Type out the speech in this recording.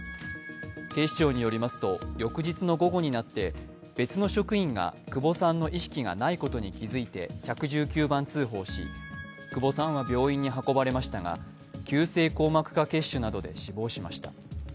警視庁によりますと、翌日の午後になって別の職員が久保さんの意識がないことに気付いて１１９番通報し、久保さんは病院に運ばれましたが急性硬膜下血腫などで死亡しました。